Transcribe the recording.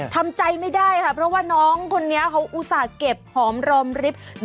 ทำใจไม่ได้ค่ะเพราะว่าน้องคนนี้เขาอุตส่าห์เก็บหอมรอมริฟท์